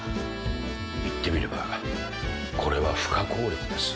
いってみればこれは不可抗力です。